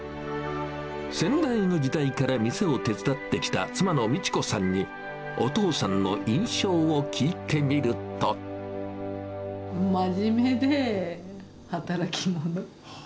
先代の時代から店を手伝ってきた妻の美智子さんに、お父さんの印真面目で働き者。